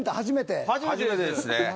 初めてですね。